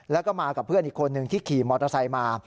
แล้วก็มากับเพื่อนอีกคนนึงที่ขี่มอเตอร์ไซค์มา